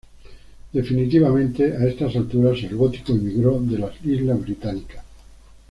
Definitivamente, a estas alturas el gótico emigró de las islas británicas.